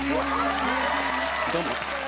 どうも。